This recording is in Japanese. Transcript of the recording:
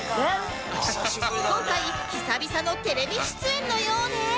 今回久々のテレビ出演のようで